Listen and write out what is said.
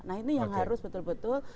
nah ini yang harus betul betul